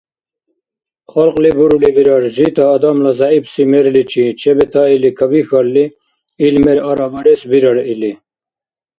Халкьли бурули бирар, жита, адамла зягӀипси мерличи чебетаили кабихьалли, ил мер арабарес бирар или.